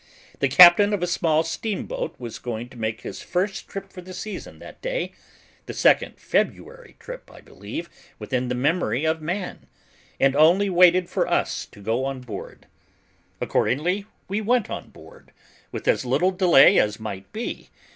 The captain of a small steamboat was going to make his first trip for the season that day (the second February trip, I believe, within the memory of man), and only waited for us to go on board. Accordingly, we went on board, with as little delay as might be.